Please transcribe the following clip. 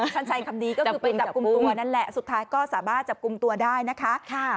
ใช้คำนี้ก็คือไปจับกลุ่มตัวนั่นแหละสุดท้ายก็สามารถจับกลุ่มตัวได้นะคะ